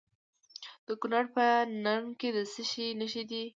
د کونړ په نرنګ کې د څه شي نښې دي؟